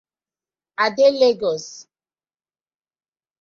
I dey Legos.